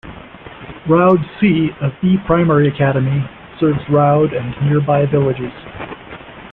Rowde C of E Primary Academy serves Rowde and nearby villages.